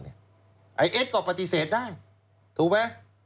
ไอ้เอสก็ปฏิเสธได้ถูกไหม